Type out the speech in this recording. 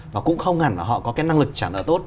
và cũng không hẳn là họ có cái năng lực trả nợ tốt